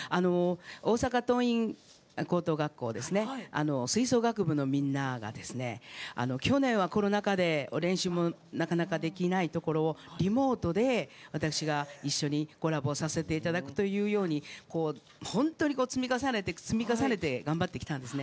大阪桐蔭高等学校の吹奏楽部のみんなが去年はコロナ禍で練習もなかなかできないところをリモートで私が一緒にコラボさせていただくという本当に積み重ねて頑張ってきたんですね。